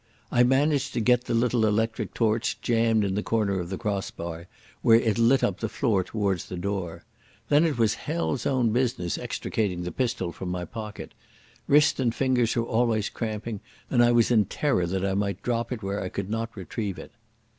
I managed to get the little electric torch jammed in the corner of the cross bar, where it lit up the floor towards the door. Then it was hell's own business extricating the pistol from my pocket. Wrist and fingers were always cramping, and I was in terror that I might drop it where I could not retrieve it.